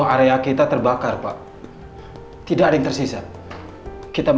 ya jadi tapi emang teman calvin books punya nara